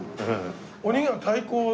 鬼が太鼓を。